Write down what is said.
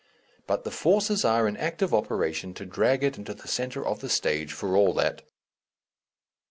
But the forces are in active operation to drag it into the centre of the stage for all that.